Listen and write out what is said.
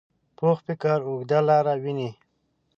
پوخ فکر اوږده لاره ویني